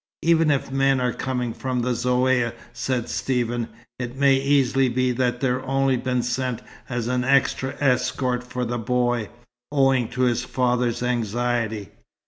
"Even if men are coming from the Zaouïa," said Stephen, "it may easily be that they've only been sent as an extra escort for the boy, owing to his father's anxiety."